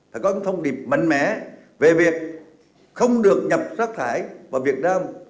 phải có những thông điệp mạnh mẽ về việc không được nhập rác thải vào việt nam